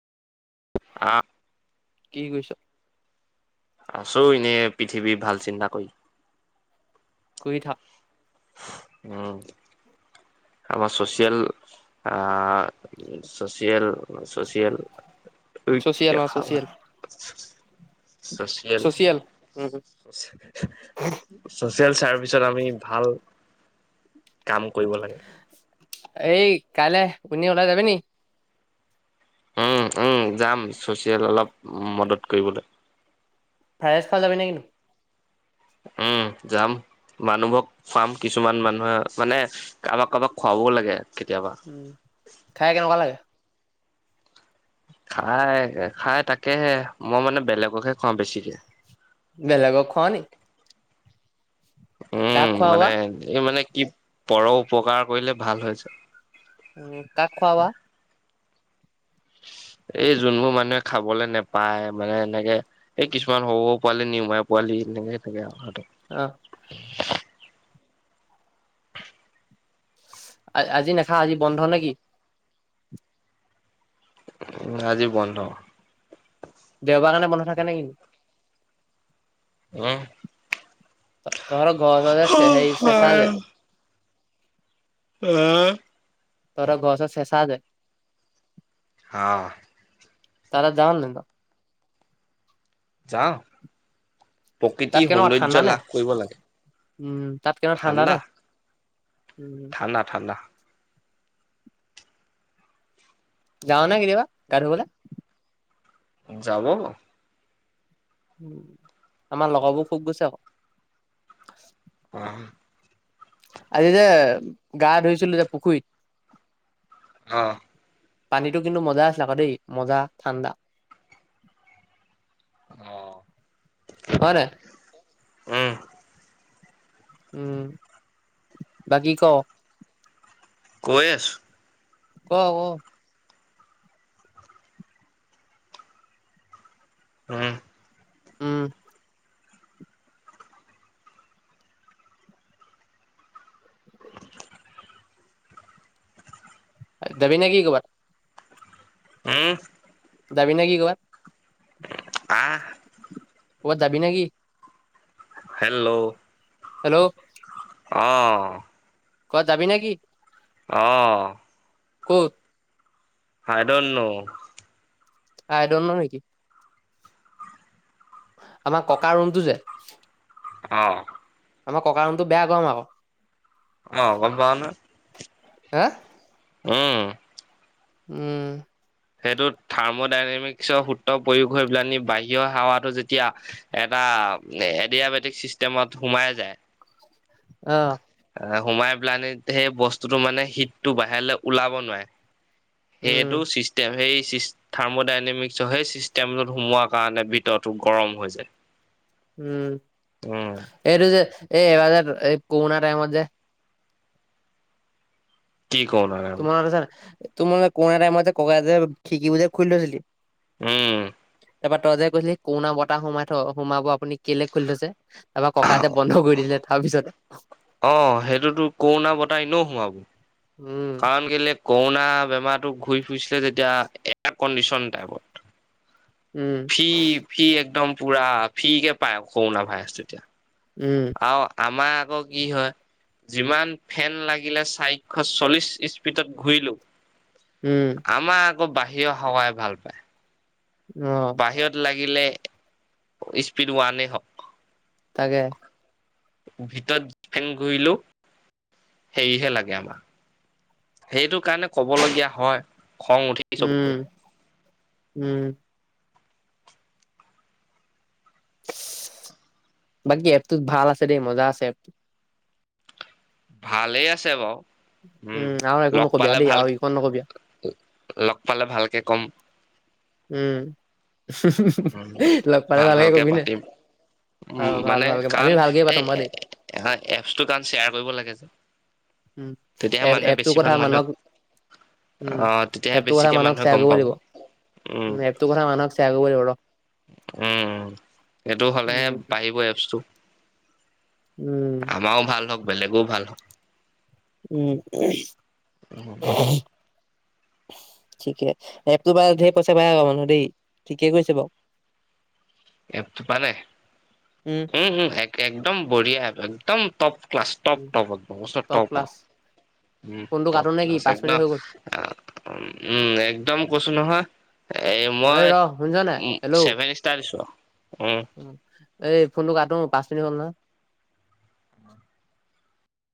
আহ, কি কৰিছ আছো এনে পিঠ পৃথিৱীৰ ভাল চিন্তা কৰি কুই থা উম। আমাৰ চচিয়েল আ চচিয়েল চচিয়েল ঐ চচিয়েল অ দেখা ভাল চচিয়েল চচিয়েল উম। চচিয়েল চাৰ্ভিচত আমি ভাল কাম কৰিব লাগে। এই কাইলৈ কোনে ওলাই যাবি নি? উম উম যাম চচিয়েল অলপ মদত কৰিবলৈ ফ্ৰাইচ খাই যাবি নে কি? উম যাম। মানুহবক খুৱাম কিছুমান মানুহে মানে কাৰোবাক কাৰোবাক খুৱাবও লাগে। কেতিয়াবা উম খাই কেনেকুৱা লাগে? খাই খাই তাকেহে মই মানে বেলেগকহে খুৱাও বেছিকে। বেলেগক খোৱা নি? কাক উম খুৱাবা মানে এই মানে কি পৰ উপকাৰ কৰিলে ভাল হয় যে। উ কাক খোৱাবা। [inaudible] এই যোনবোৰ মানুহে খাবলৈ নেপায় মানে এনেকে এই কিছুমান সৰু সৰু পোৱালি নিউমাই পোৱালি। লেনেঙে থাকে আৰু। সিহঁতৰ অ। আ আজি নেখা আজি বন্ধ নে কি? উ আজি বন্ধ। দেওবাৰ কাৰণে বন্ধ থাকে নে কি? ম। তই ঘৰ গলে যে হেই চেচা যে অ। তহতৰ ঘৰৰ ওচৰত চেচা যে অ। তালে জাও নে নাযাও? যাও তাত প্ৰকৃতিৰ কেনেকুৱা ঠাণ্ডা সৌন্দৰ্য নে লাভ কৰিব লাগে। উম তাত কেনে ঠাণ্ডা নে? উম ঠাণ্ডা ঠাণ্ডা। যাওঁ নে কেতিয়াবা গা ধুবলে? যাব। উ আমাৰ লগবোৰ খুব গৈছে আক। আহ আজি যে গা ধুইছিলো যে পুখুৰীত অ পানীটো কিন্তু মজা আছিল আকৌ দেই মজা ঠাণ্ডা। আহ হয় নে? উম। উম বাকী ক। কৈ আছোঁ। ক ক। উম। উম। জাবিনে কি ক'বাত? উম। জাবি না কি কবাট? আহ। কবাত যাবি নে কি? হেল্ল'। হেল্ল'। অ। কৱাত যাবি নে কি? অ। ক'ত আই দন্ত নৌ আই দন্ত নৌ নেকি? আমাৰ ককা ৰুমটো যে অ আমাৰ ককা ৰুমতো বেয়া গৰম আক। অ গম পাওঁ নহয়। হা উম উম সেইটো থাৰ্ম ডাইনেমিক্সৰ সূত্ৰ প্ৰয়োগ হৈ পেলাই নি বাহিৰৰ হোৱাটো যেতিয়া এটা এটিয়াবেটিক চিষ্টেমত সোমাই যায়। অহ সোমাই পেলানে সেই বস্তুতটো মানে শীততটো বাহিৰলৈ ওলাব নোৱাৰে। সেইটো উম চিষ্টেম সেই থাৰ্মডাইনেমিক সেই চিচতেমত সোমোৱাৰ কাৰণে ভিততো গৰম হৈ যায়। উম উম এইটো যে এ এ যে কৰোনা টাইমত যে কি ক নয়ন তু মানে কৰোনা টাইমতে ককাই খিকিবোৰ যৈ খুলি থৈছিলি। উম তাৰপৰা তইজে কৈছিলি কৰোনা বতাহ সোমাই থ সোমাব আপুনি কেলে খুলি থৈছে। তাৰপৰা ককা যে বন্ধ কৰি দিলে তাৰ পিছতে অ সেইটোতো কৰোণা বতাই এনোহ সোমাব উম, কাৰণ কেলে কৰোনা বেমাৰটো ঘূৰি ফুৰিছিলে তেতিয়া এয়াৰ কণ্ডিচন টাইপত উম, ফি ফি একদম পুৰা ফি কে পায় কৰোনা ভাইৰাছ তেতিয়া। উম আৰু আমাৰ আকৌ কি হয়। যিমান ফেন লাগিলে চাৰিশ চল্লিশ স্পীডত ঘূৰিলো উম, আমাৰ আকৌ বাহিৰৰ হাৱাই ভাল পায়। অ', বাহিৰত লাগিলে স্পীড ওৱানেই হওক। তাকে ভিতৰত ফেন ঘূৰিলো সেৰিহে লাগে আমাৰ সেইটো কাৰণে ক'বলগীয়া হয় খং উঠি চব উম, উম বাকী এপটো ভাল আছে দেই মজা আছে এপটো। ভালেই আছে বাও। উম আৰু একো লগ নকবি আৰু পালে দেই ভাল আৰু ইখন নকবি আৰু। লগ পালে ভালকে কম। উম লগ পালে ভাল গে কবিনে? উ অ', মানে কাৰণ এই বাৰু দেই। এপছটো কাৰণ শ্বেয়াৰ কৰিব লাগে যে উম, তেতিয়াহে এপ মানুহে এপটোৰ কথা বেছিভাগ মানুহক উম, মানুহ আহ তেতিয়াহে এপটোৰ কথা বেছিকে মানুহক মানুহে শ্বেয়াৰ গম কৰিব পাব লাগিব, উম। উম, এপটোৰ কথা মানুহক শ্বেয়াৰ কৰিব লাগিব ৰ। উম সেইটো হ'লেহে উম, বাঢ়িব এপছটো উম, আমাৰও ভাল হওক বেলেগও ভাল হওক উম উম, ঠিকে এপটো পা ঢেৰ পইচা পায় আকৌ মানুহ দেই ঠিকে কৰিছে বাও। এপটো পানে উম এক একদম বঢ়িয়া এপ একদম তপ। ক্লাছ টপ টপ এক টপ আও। উপ ফোনটো টপ কাটো নে কি ক্লাছ পাঁচ মিনিট একদম হৈ গ'ল। উম একদম কচু নহয়। এ এই মই ৰ শুনিছ নাই উম, হেল্ল' ছেভেন ষ্টাৰ দিছো উম এই ফোনটো কাটো পাঁচ মিনিট হ'ল নহয়